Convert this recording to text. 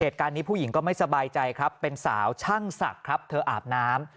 เหตุการณ์นี้ผู้หญิงก็ไม่สบายใจครับเป็นสาวช่างศักดิ์ครับเธออาบน้ำ